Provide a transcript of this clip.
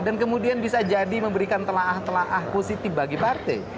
dan kemudian bisa jadi memberikan telah telah positif bagi partai